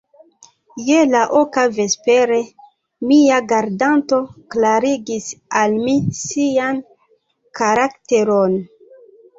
Je la oka vespere, mia gardanto klarigis al mi sian karakteron.